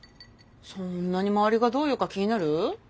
そんなに周りがどう言うか気になる？